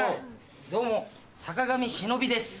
どうも坂上シノビです。